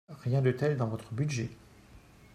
Rien de tel dans votre budget